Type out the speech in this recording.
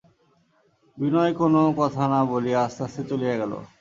বিনয় কোনো কথা না বলিয়া আস্তে আস্তে চলিয়া গেল।